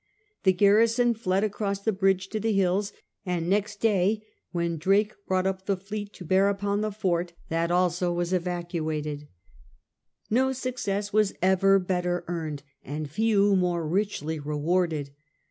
The garrison fled across the bridge to the hills, and next day when Drake brought up the fleet to bear upon the fort that also was evacuated. 110 SIR FRANCIS DRAKE CHiLP. No success was ever better earned, and few more richly rewarded.